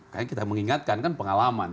karena kita mengingatkan kan pengalaman